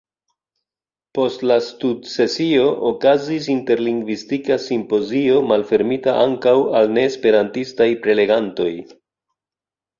Post la studsesio okazis interlingvistika simpozio, malfermita ankaŭ al neesperantistaj prelegantoj.